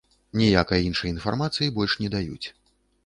Ніякай іншай інфармацыі больш не даюць.